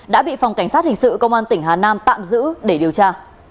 đã bị phòng cảnh sát hình sự công an tỉnh hà nam tạm giữ để điều tra